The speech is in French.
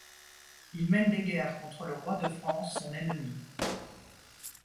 Il mène des guerres contre le roi de France, son ennemi.